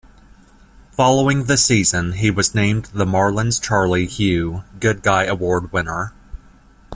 Following the season, he was named the Marlins Charlie Hough Good Guy award winner.